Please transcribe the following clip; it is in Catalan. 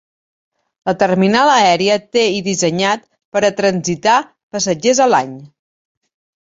La terminal aèria té i dissenyat per a transitar passatgers a l'any.